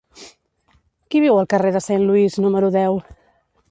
Qui viu al carrer de Saint Louis número deu?